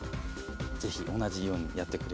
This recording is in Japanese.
ぜひ同じようにやってくれますか。